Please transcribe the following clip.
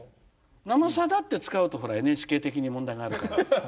「生さだ」って使うとほらＮＨＫ的に問題があるから。